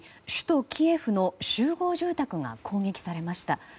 首都キエフの集合住宅が攻撃されました。